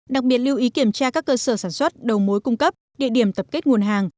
đặc biệt lưu ý kiểm tra các cơ sở sản xuất đầu mối cung cấp địa điểm tập kết nguồn hàng